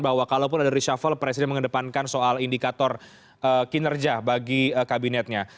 bahwa kalau pun ada reshuffle presiden mengedepankan soal indikator ee kinerja bagi ee kabinetnya